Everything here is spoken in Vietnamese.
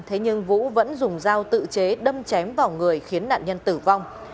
thế nhưng vũ vẫn dùng dao tự chế đâm chém vào người khiến nạn nhân tử vong